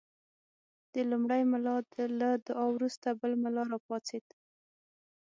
د لومړي ملا له دعا وروسته بل ملا راپاڅېد.